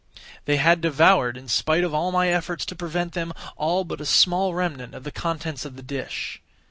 They had devoured, in spite of all my efforts to prevent them, all but a small remnant of the contents of the dish.